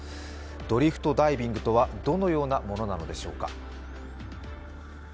ドリフトダイビングとはどのようなものなのでしょうか？